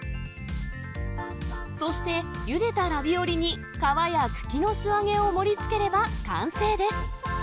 そしてゆでたラビオリに皮や茎の素揚げを盛りつければ完成です。